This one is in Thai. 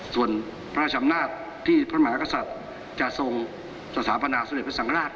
ส่วนพระราชธรรมนาฬที่พระมหากษัตริย์จะทรงสถาปนาสุริยภัยสังฆราช